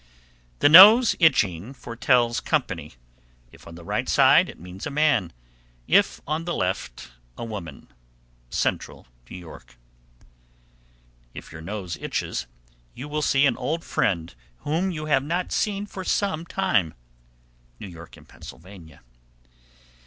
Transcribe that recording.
_ 782. The nose itching foretells company. If on the right side, it means a man; if on the left, a woman. Central New York. 783. If your nose itches, you will see an old friend whom you have not seen for some time. _New York and Pennsylvania.